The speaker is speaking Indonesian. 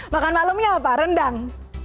makan malamnya apa rendang